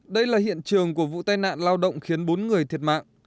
đây là hiện trường của vụ tai nạn lao động khiến bốn người thiệt mạng